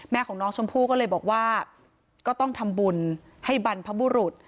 ของน้องชมพู่ก็เลยบอกว่าก็ต้องทำบุญให้บรรพบุรุษ